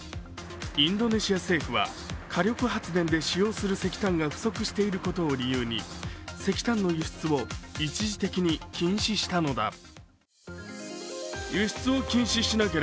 インドネシア政府は火力発電で使用する石炭が不足していることを理由に石炭の輸出を一時的に禁止したのだ。